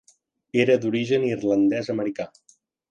Era d'origen irlandès americà.